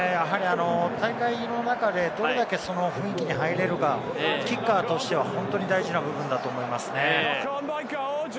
やはり大会の中でどれだけ、その雰囲気に入れるか、キッカーとしては本当に大事な部分だと思いますね。